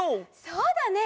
そうだね。